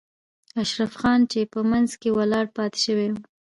اشرف خان چې په منځ کې ولاړ پاتې شوی و.